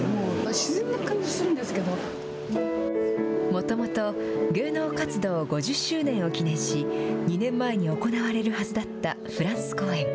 もともと芸能活動５０周年を記念し、２年前に行われるはずだったフランス公演。